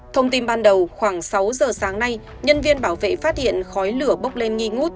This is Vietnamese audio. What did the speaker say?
thông tin ban đầu khoảng sáu giờ sáng nay nhân viên bảo vệ phát hiện khói lửa bốc lên nghi ngút